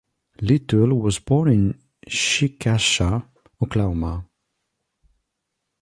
Little was born in Chickasha, Oklahoma.